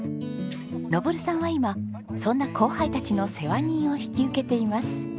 昇さんは今そんな後輩たちの世話人を引き受けています。